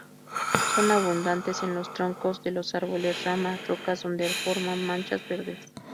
Son abundantes en los troncos de los árboles, ramas, rocas donde forman manchas verdes.